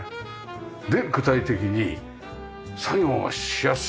で具体的に作業がしやすいですね。